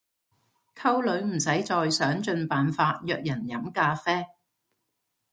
溝女唔使再想盡辦法約人飲咖啡